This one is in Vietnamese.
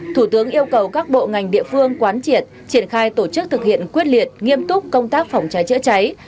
thủ tướng yêu cầu các bộ ngành địa phương quán triệt triển khai tổ chức thực hiện quyết liệt nghiêm túc công tác phòng cháy chữa cháy